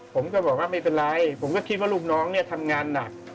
ผมก็บอกว่าไม่เป็นไรผมก็คิดว่าลูกน้องเนี่ยทำงานหนัก